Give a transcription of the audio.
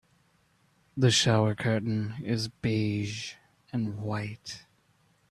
The shower curtain is beige and white.